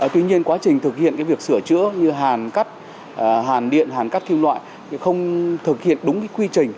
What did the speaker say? tuy nhiên quá trình thực hiện việc sửa chữa như hàn cắt hàn điện hàn cắt kim loại không thực hiện đúng quy trình